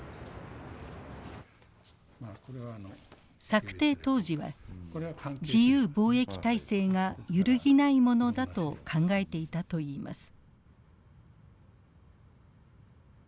策定当時は自由貿易体制が揺るぎないものだと考えていたといいます。